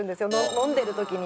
飲んでる時に。